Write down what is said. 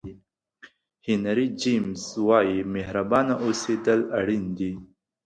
هینري جمیز وایي مهربانه اوسېدل اړین دي.